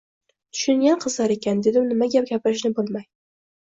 Tushungan qizlar ekan, – dedim nima gap gapirishni bilmay.